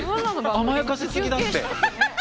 甘やかしすぎだって。